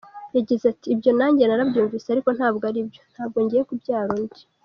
Yagize ati “Ibyo nanjye narabyumvise ariko ntabwo ari byo, ntabwo ngiye kubyara undi.